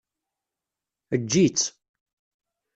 Eǧǧ-itt.